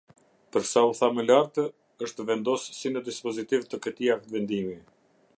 Për sa u tha më lartë, është vendos si në dispozitiv të këtij aktvendimi.